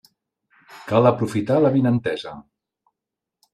Cal aprofitar l'avinentesa.